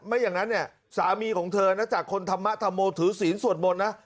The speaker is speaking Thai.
อย่างนั้นเนี่ยสามีของเธอนะจากคนธรรมธรรโมถือศีลสวดมนต์นะ